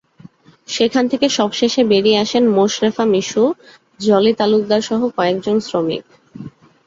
সেখান থেকে সবশেষে বেরিয়ে আসেন মোশরেফা মিশু, জলি তালুকদারসহ কয়েকজন শ্রমিক।